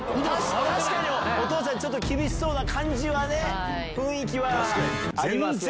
確かに、お父さんちょっと厳しそうな感じはね、雰囲気は。